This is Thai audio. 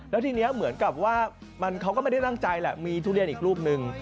แล้วทีนี้เหมือนกับว่าเขาก็ไม่ได้ตั้งใจแหละมีทุเรียนอีกรูปนึง